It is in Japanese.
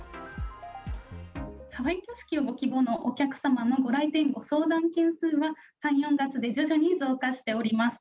ハワイ挙式をご希望のお客様のご来店、ご相談件数は、３、４月で徐々に増加しております。